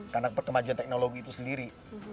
karena perkembangan teknologi itu sendiri